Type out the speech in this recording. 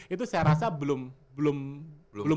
itu saya rasa belum